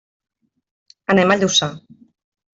Anem a Lluçà.